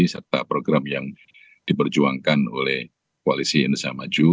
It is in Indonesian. serta program yang diperjuangkan oleh koalisi indonesia maju